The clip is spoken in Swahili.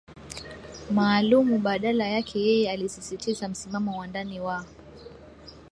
maalumu Badala yake yeye alisisitiza msimamo wa ndani wa